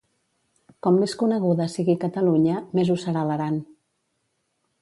Com més coneguda sigui Catalunya, més ho serà l'Aran.